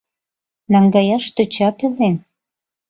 Наҥгаяш тӧча пелен.